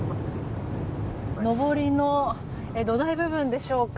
のぼりの土台部分でしょうか。